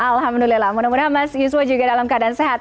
alhamdulillah mudah mudahan mas yuswa juga dalam keadaan sehat